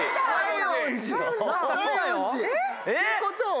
えっ！ってことは。